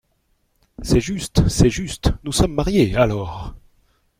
C’est juste ! c’est juste ! nous sommes mariés, alors !…